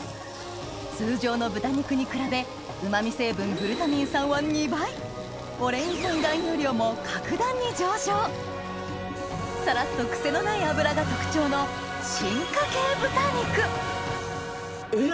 通常の豚肉に比べうま味成分グルタミン酸は２倍オレイン酸含有量も格段に上昇サラっとクセのない脂が特徴のえっ！